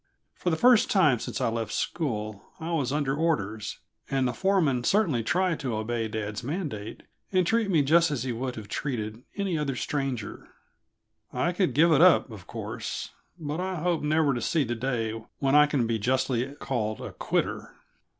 For the first time since I left school, I was under orders; and the foreman certainly tried to obey dad's mandate and treat me just as he would have treated any other stranger. I could give it up, of course but I hope never to see the day when I can be justly called a quitter.